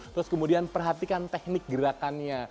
terus kemudian perhatikan teknik gerakannya